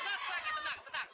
tenang sekali lagi tenang tenang